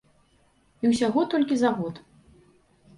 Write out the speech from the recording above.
І ўсяго толькі за год.